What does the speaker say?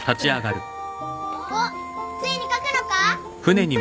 おっついに書くのか？